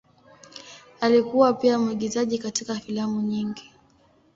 Alikuwa pia mwigizaji katika filamu nyingi.